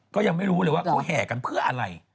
ก็ยังไม่รู้เลยว่าเขาแห่กันเพื่ออะไร